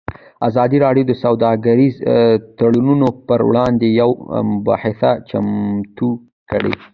ازادي راډیو د سوداګریز تړونونه پر وړاندې یوه مباحثه چمتو کړې.